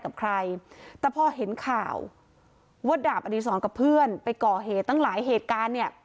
กับใครแต่พอเห็นข่าวว่าดาบอดีศรกับเพื่อนไปก่อเหตุตั้งหลายเหตุการณ์เนี่ย